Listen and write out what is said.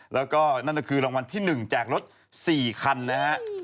แล้วก็นั่นก็คือรางวัลที่๑แจกรถ๔คันนะฮะ